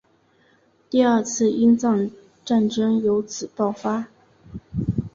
第二次英藏战争由此爆发。